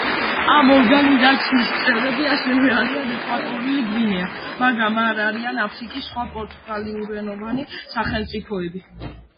ამ ორგანიზაციის წევრები ასევე არიან ეკვატორული გვინეა, მაგრამ არ არიან აფრიკის სხვა პორტუგალიურენოვანი სახელმწიფოები.